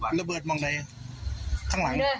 ระเบิดมองไหนทางหลัง